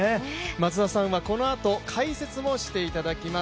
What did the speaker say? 松田さんはこのあと松田解説もしていただきます。